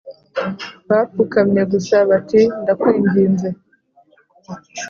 bapfukamye gusa bati 'ndakwinginze